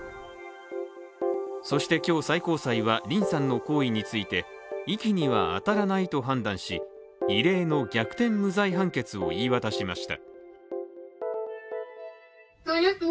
そして今日、最高裁はリンさんの行為について遺棄には当たらないと判断し、異例の逆転無罪判決を言い渡しました。